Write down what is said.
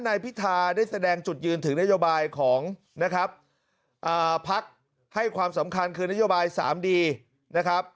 นายพิธาได้แสดงจุดยืนถึงนโยบายของนะครับพักให้ความสำคัญคือนโยบายสามดีนะครับ